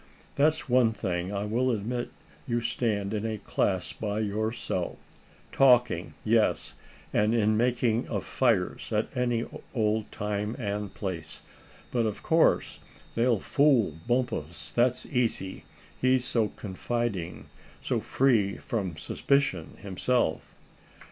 "That's one thing I will admit you stand in a class by yourself talking; yes, and in the making of fires at any old time and place. But of course they'll fool Bumpus that easy, he's so confiding, so free from suspicion himself."